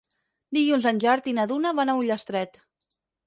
Dilluns en Gerard i na Duna van a Ullastret.